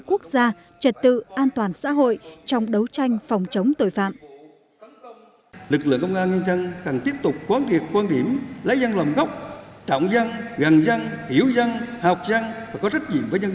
quốc gia trật tự an toàn xã hội trong đấu tranh phòng chống tội phạm